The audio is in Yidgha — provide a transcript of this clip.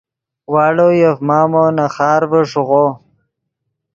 واڑو یف مامو نے خارڤے ݰیغو